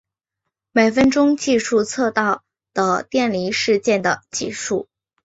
每分钟计数测到的电离事件的计数。